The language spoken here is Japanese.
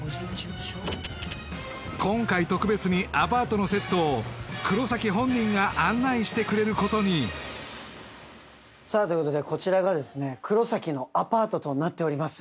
今回特別にアパートのセットを黒崎本人が案内してくれることにさあということでとなっております